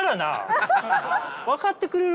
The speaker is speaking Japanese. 分かってくれるかな？